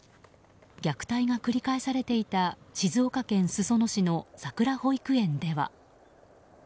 虐待が繰り返されていた静岡県裾野市のさくら保育園では。